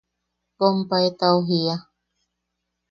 –Kompae –tau jiia.